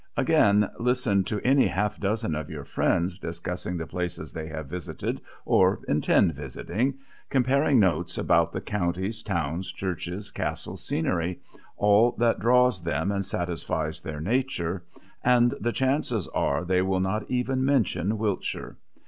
Again, listen to any half dozen of your friends discussing the places they have visited, or intend visiting, comparing notes about the counties, towns, churches, castles, scenery all that draws them and satisfies their nature, and the chances are that they will not even mention Wiltshire.